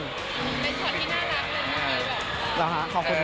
เป็นช็อตที่น่ารักเลยพรุ่งนี้แบบ